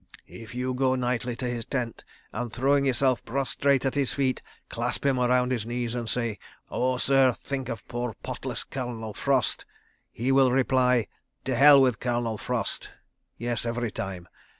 "If you go nightly to his tent, and, throwing yourself prostrate at his feet, clasp him around the knees, and say: 'Oh, sir, think of poor pot less Colonel Frost,' he will reply: 'To hell with Colonel Frost! ...' Yes—every time.